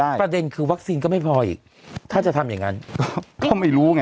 ประเด็นคือวัคซีนก็ไม่พออีกถ้าจะทำอย่างนั้นก็ไม่รู้ไง